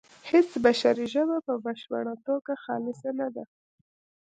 هیڅ بشري ژبه په بشپړه توګه خالصه نه ده